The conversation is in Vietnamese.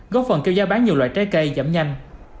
góp phần kêu giá bán nhiều loại trái cây giảm nhanh